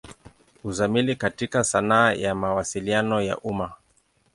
Uzamili katika sanaa ya Mawasiliano ya umma.